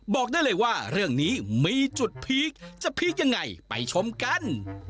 บอกได้เลยว่าเรื่องนี้มีจุดพีคจะพีคยังไงไปชมกัน